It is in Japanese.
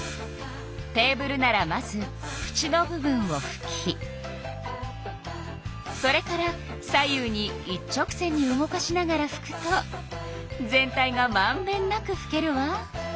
テーブルならまずふちの部分をふきそれから左右に一直線に動かしながらふくと全体がまんべんなくふけるわ。